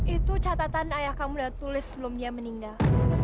itu catatan ayah kamu sudah tulis sebelum dia meninggal